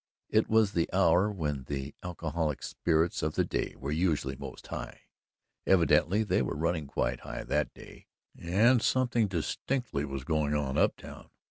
It was the hour when the alcoholic spirits of the day were usually most high. Evidently they were running quite high that day and something distinctly was going on "up town."